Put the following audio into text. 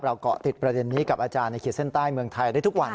เกาะติดประเด็นนี้กับอาจารย์ในขีดเส้นใต้เมืองไทยได้ทุกวัน